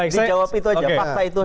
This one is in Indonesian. dijawab itu saja fakta itu saja